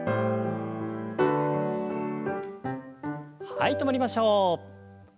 はい止まりましょう。